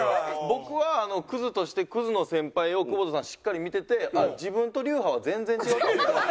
僕はクズとしてクズの先輩を久保田さんしっかり見てて自分と流派は全然違うとは。